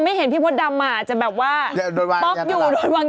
อธแฮให้ยันแหล่งหน่อย